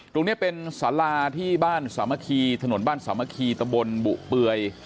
ตรงนี้เป็นสาราที่บ้านสามัคคีถนนบ้านสามัคคีตะบนบุเปลือย